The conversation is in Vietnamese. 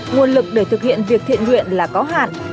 nguồn lực để thực hiện việc thiện nguyện là có hạn